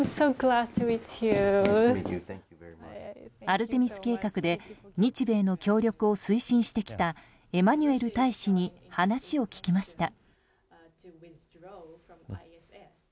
アルテミス計画で日米の協力を推進してきたエマニュエル大使に話を聞きました。